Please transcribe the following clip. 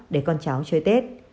để con cháu chơi tết